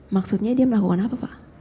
maksudnya dia melakukan apa pak